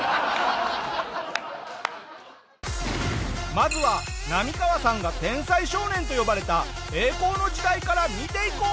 まずはナミカワさんが天才少年と呼ばれた栄光の時代から見ていこう。